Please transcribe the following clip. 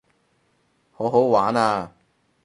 好好玩啊